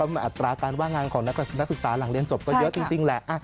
อัตราการว่างงานของนักศึกษาหลังเรียนจบก็เยอะจริงแหละ